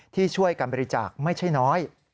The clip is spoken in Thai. ที่ช่วยการบริจาคไม่ใช่น้อย